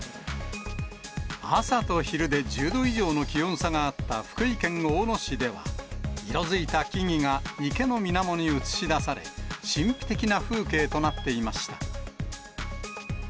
朝と昼で１０度以上の気温差があった福井県大野市では、色づいた木々が池のみなもに映し出され、神秘的な風景となっていました。